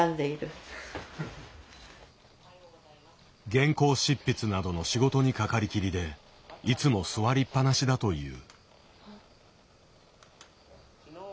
原稿執筆などの仕事にかかりきりでいつも座りっぱなしだという。